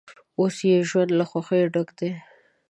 اوس یې ژوند له خوښیو ډک دی.